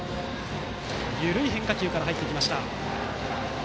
緩い変化球から入ってきました。